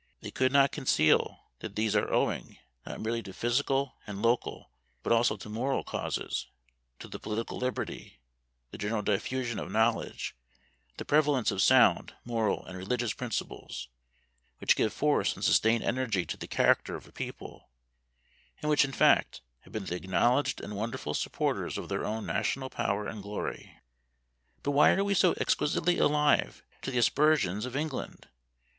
They could not conceal that these are owing, not merely to physical and local, but also to moral causes to the political liberty, the general diffusion of knowledge, the prevalence of sound, moral, and religious principles, which give force and sustained energy to the character of a people, and which in fact, have been the acknowledged and wonderful supporters of their own national power and glory. But why are we so exquisitely alive to the aspersions of England?